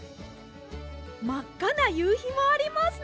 まっかなゆうひもありますね！